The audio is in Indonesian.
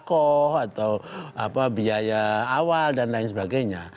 atau sodako atau apa biaya awal dan lain sebagainya